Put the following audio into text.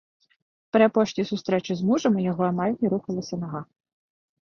Пры апошняй сустрэчы з мужам у яго амаль не рухалася нага.